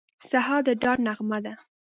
سهار د ډاډ نغمه ده.